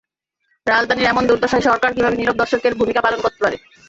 রাজধানীর এমন দুর্দশায় সরকার কীভাবে নীরব দর্শকের ভূমিকা পালন করতে পারে।